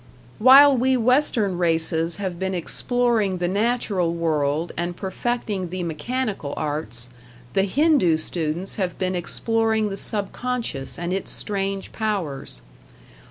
While we western races have been exploring the natural world and perfecting the mechanical arts, the Hindoo students have been exploring the subconscious and its strange powers.